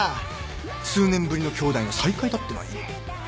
数年ぶりの兄弟の再会だってのに。